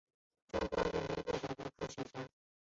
中华人民共和国科学家。